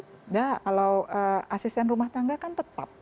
tidak kalau asisten rumah tangga kan tetap